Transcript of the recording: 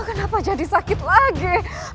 kenapa jadi sakit lagi